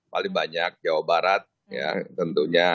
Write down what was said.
paling banyak jawa barat ya tentunya